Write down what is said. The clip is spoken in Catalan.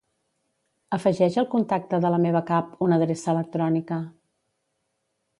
Afegeix al contacte de la meva cap una adreça electrònica.